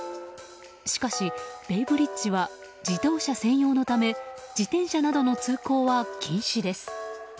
しかし、ベイブリッジは自動車専用のため自転車などの通行は禁止です。